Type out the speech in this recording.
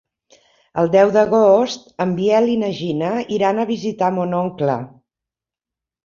El deu d'agost en Biel i na Gina iran a visitar mon oncle.